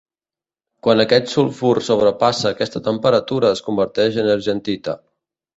Quan aquest sulfur sobrepassa aquesta temperatura es converteix en argentita.